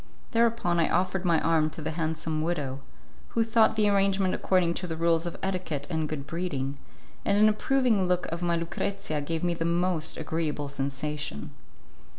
Thereupon I offered my arm to the handsome widow, who thought the arrangement according to the rules of etiquette and good breeding, and an approving look of my Lucrezia gave me the most agreeable sensation.